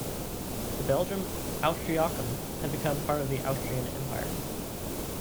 The Belgium Austriacum had become part of the Austrian Empire.